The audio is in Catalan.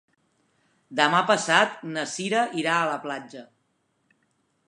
Demà passat na Sira irà a la platja.